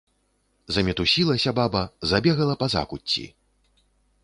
Замітусілася баба, забегала па закуцці.